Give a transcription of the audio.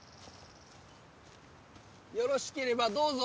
よろしければどうぞ。